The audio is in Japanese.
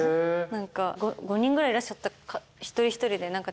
５人ぐらいいらっしゃった一人一人で。